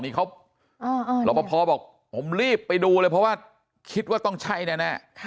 นี่เขารอปภบอกผมรีบไปดูเลยเพราะว่าคิดว่าต้องใช่แน่